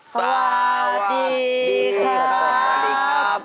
สวัสดีครับ